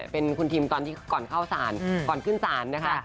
เป็นคุณทิมตอนที่ก่อนเข้าศาลก่อนขึ้นศาลนะคะ